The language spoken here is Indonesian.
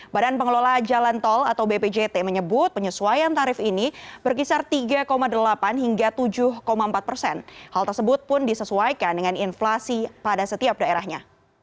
badan pengelola jalan tol atau bpjt menyebut penyesuaian tarif ini berkisar tiga delapan hingga tujuh empat persen hal tersebut pun disesuaikan dengan inflasi pada setiap daerahnya